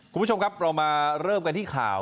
คุณผู้ชมครับเรามาเริ่มกันที่ข่าว